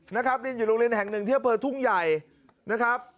นะครับเรียนอยู่โรงเรียนแห่ง๑เที่ยวเปอร์ทุ่งใหญ่นะครับ